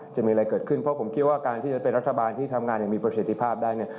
จะมีอะไรเกิดขึ้นเพราะผมคิดว่าการที่จะเป็นรัฐบาลที่ทำงานอย่างมีประสิทธิภาพได้เนี่ย